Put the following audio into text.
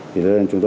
thì là mình phải làm